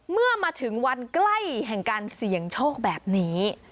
เมื่อมาถึงวันใกล้แห่งการเสี่ยงโชคแบบนี้